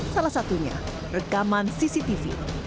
salah satunya rekaman cctv